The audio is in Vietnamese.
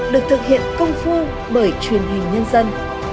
được thực hiện công phu bởi truyền hình nhân dân